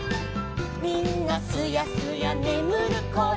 「みんなすやすやねむるころ」